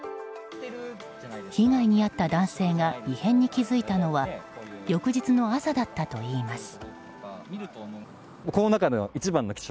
被害に遭った男性が異変に気付いたのは翌日の朝だったといいます。